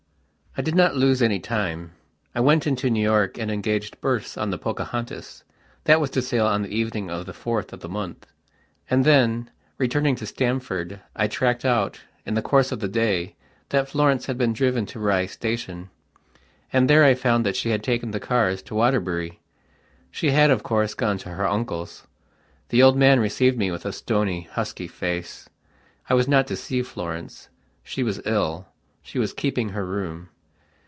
I did not lose any time. I went into New York and engaged berths on the "Pocahontas", that was to sail on the evening of the fourth of the month, and then, returning to Stamford, I tracked out, in the course of the day, that Florence had been driven to Rye Station. And there I found that she had taken the cars to Waterbury. She had, of course, gone to her uncle's. The old man received me with a stony, husky face. I was not to see Florence; she was ill; she was keeping her room.